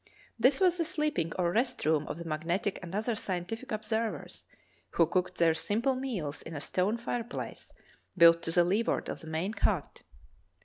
This was the sleeping or rest room of the magnetic and other scien tific observers, who cooked their simple meals in a stone fireplace built to the leeward of the main hut.